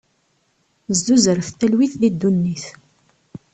Zzuzret talwit di ddunit!